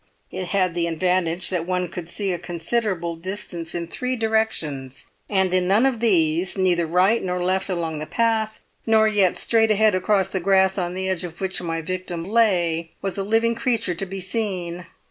It had the advantage that one could see a considerable distance in three directions, and in none of these, neither right nor left along the path, nor yet straight ahead across the grass on the edge of which my victim lay, was a living creature to be seen.